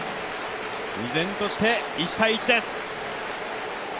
依然として１−１です。